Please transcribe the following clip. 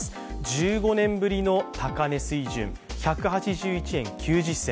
１５年ぶりの高値水準、１８１円９０銭。